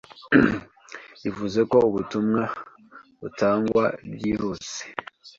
Bivuze ko ubutumwa butangwa byihuse